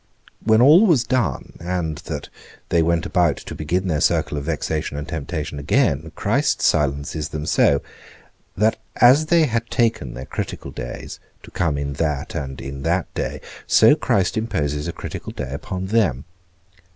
When all was done, and that they went about to begin their circle of vexation and temptation again, Christ silences them so, that as they had taken their critical days, to come in that and in that day, so Christ imposes a critical day upon them.